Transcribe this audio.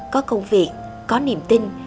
có công việc có niềm tin